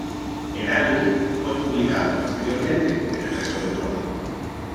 El álbum fue publicado posteriormente en el resto de Europa.